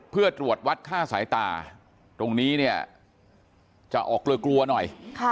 เพื่อตรวจวัดค่าสายตาตรงนี้เนี่ยจะออกเกลือกลัวหน่อย